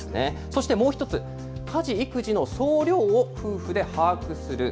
そしてもう一つ、家事・育児の総量を夫婦で把握する。